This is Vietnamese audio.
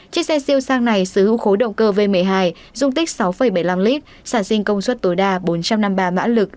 chiếc xe siêu sang này sở hữu khối động cơ v một mươi hai dung tích sáu bảy mươi năm lít sản sinh công suất tối đa bốn trăm năm mươi ba mã lực